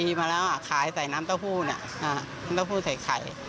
๖๐ปีป่าวซ้อนแล้วอ่ะขายให้ใส่น้ำเต้าหู้ไข่